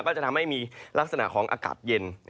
ก็จะทำให้มีลักษณะของอากาศเย็น